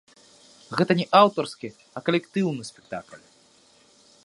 Гэта не аўтарскі, а калектыўны спектакль.